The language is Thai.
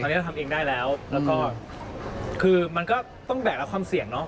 ตอนนี้เราทำเองได้แล้วแล้วก็คือมันก็ต้องแบกแล้วความเสี่ยงเนาะ